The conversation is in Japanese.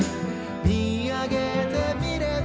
「見上げてみれば」